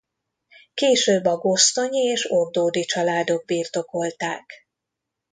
Később a Gosztonyi és Ordódy családok birtokolták.